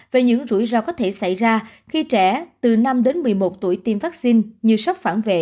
về những rủi ro có thể xảy ra khi trẻ từ năm đến một mươi một tuổi tiêm vaccine như sốc phản vệ